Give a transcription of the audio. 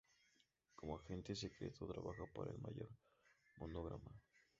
Como agente secreto trabaja para el Mayor Monograma.